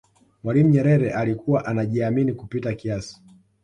mwalimu nyerere alikuwa anajiamini kupita kiasi